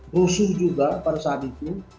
rusuh juga pada saat itu